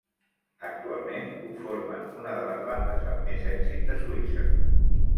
Actualment conformen una de les bandes amb més èxit de Suïssa.